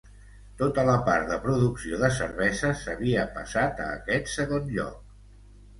Tota la part de producció de cervesa s'havia passat a aquest segon lloc.